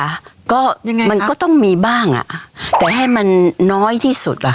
ค่ะก็มันก็ต้องมีบ้างแต่ให้มันน้อยที่สุด